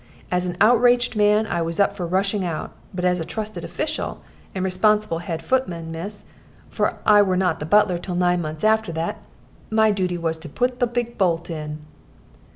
As an outraged man I was up for rushing out, but as a trusted official, and responsible head footman, miss for I were not butler till nine months after that my dooty was to put the big bolt in."